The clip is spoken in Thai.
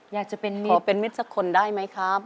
อยากจะเป็นขอเป็นมิตรสักคนได้ไหมครับ